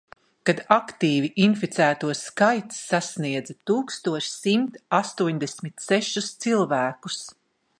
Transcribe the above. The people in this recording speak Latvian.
Kad aktīvi inficēto skaits sasniedza tūkstoš simt astoņdesmit sešus cilvēkus.